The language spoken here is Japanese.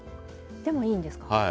でもいいんですか。